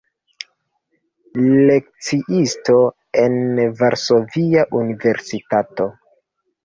Lekciisto en Varsovia Universitato.